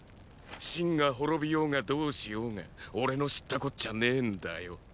秦が滅びようがどうしようが俺の知ったこっちゃねェんだよ。